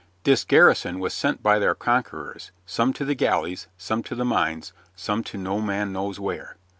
This garrison was sent by their conquerors, some to the galleys, some to the mines, some to no man knows where.